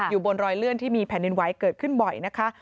อยู่บนรอยเลื่อนที่มีแผ่นดินไหวเกิดขึ้นบ่อยนะคะ